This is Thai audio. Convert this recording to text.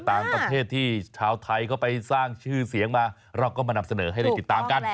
ต่างประเทศที่ชาวไทยเขาไปสร้างชื่อเสียงมาเราก็มานำเสนอให้ได้ติดตามกัน